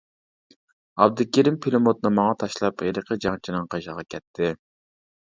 ئابدۇكېرىم پىلىموتنى ماڭا تاشلاپ، ھېلىقى جەڭچىنىڭ قىشىغا كەتتى.